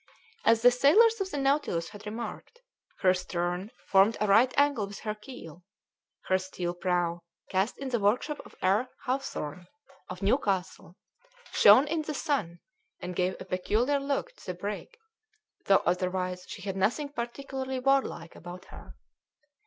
As the sailors of the Nautilus had remarked, her stern formed a right angle with her keel; her steel prow, cast in the workshop of R. Hawthorn, of Newcastle, shone in the sun and gave a peculiar look to the brig, though otherwise she had nothing particularly warlike about her.